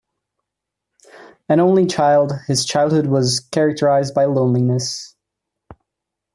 An only child, his childhood was characterised by loneliness.